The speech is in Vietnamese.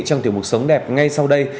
trong thiểu mục sống đẹp ngay sau đây